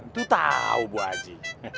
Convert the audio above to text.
tuh tau bu haji